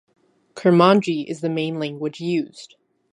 Kurmanji is the main language used.